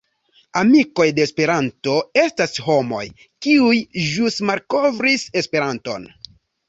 Amikoj de Esperanto estas homoj, kiuj ĵus malkovris Esperanton.